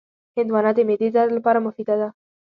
هندوانه د معدې درد لپاره مفیده ده.